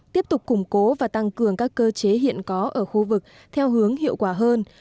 tiếp tục củng cố và tăng cường các cơ chế hiện có ở khu vực theo hướng hiệu quả hơn